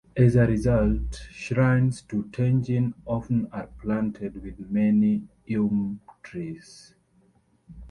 As a result, shrines to Tenjin often are planted with many ume trees.